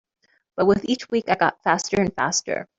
But with each week I got faster and faster.